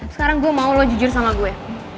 sekarang gue mau lo jujur sama gue